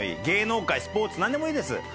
芸能界スポーツ何でもいいです。